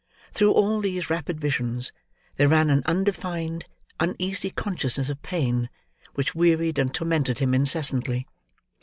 Through all these rapid visions, there ran an undefined, uneasy consciousness of pain, which wearied and tormented him incessantly.